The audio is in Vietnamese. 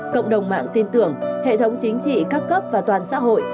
cộng đồng mạng tin tưởng hệ thống chính trị các cấp và toàn xã hội